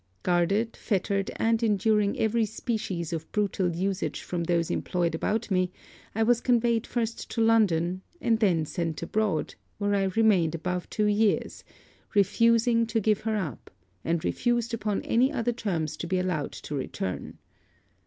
Guarded, fettered, and enduring every species of brutal usage from those employed about me, I was conveyed first to London, and then sent abroad, where I remained above two years refusing to give her up, and refused upon any other terms to be allowed to return.